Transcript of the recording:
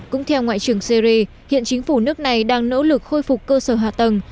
cũng theo ngoại trưởng syri hiện chính phủ nước này đang nỗ lực khôi phục cơ sở hạ tầng